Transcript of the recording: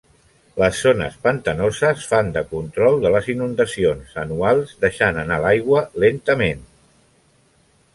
Les zones pantanoses fan de control de les inundacions anuals deixant anar l'aigua lentament.